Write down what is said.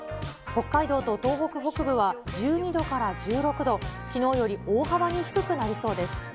北海道と東北北部は１２度から１６度、きのうより大幅に低くなりそうです。